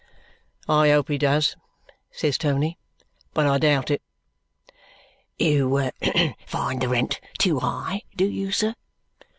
"I hope he does," says Tony. "But I doubt it." "You find the rent too high, do you, sir?"